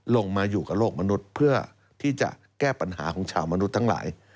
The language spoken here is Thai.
ลงมาอยู่กับโลกมนุษย์เพื่อที่จะแก้ปัญหาของชาวมนุษย์ทั้งหลาย